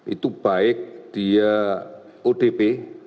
itu baik dia udp